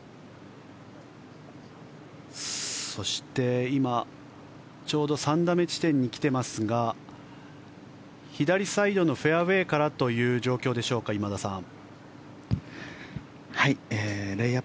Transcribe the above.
そして、今、ちょうど３打目地点に来ていますが左サイドのフェアウェーからという状況でしょうか、今田さん。